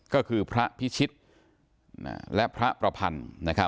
ก็คือพระพิชิตและพระประพันธ์